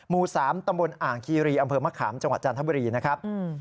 หมู่๓ตำบลอ่างคีรีอำเภอมะขามจังหวัดจันทบุรีนะครับ